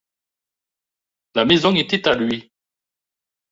La maison était à lui.